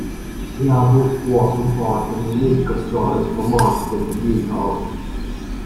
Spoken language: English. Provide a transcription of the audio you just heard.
The album was a departure in musical styles from Martika's debut album.